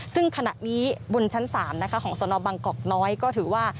ซึ่งขณะนี้บนชั้น๓ของสนบังกอกน้อยก็ถือว่า